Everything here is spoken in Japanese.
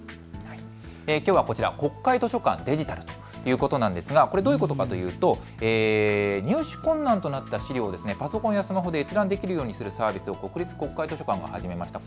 きょうは国会図書館デジタルということでどういうことかというと、入手困難となった資料をパソコンやスマホで閲覧できるようにするサービスを国立国会図書館が始めました。